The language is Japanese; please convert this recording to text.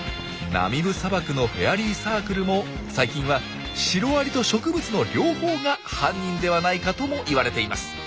ナミブ砂漠のフェアリーサークルも最近はシロアリと植物の両方が犯人ではないかともいわれています。